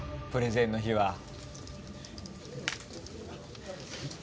プレゼンの日は。